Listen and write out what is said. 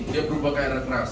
dia berubah ke arah keras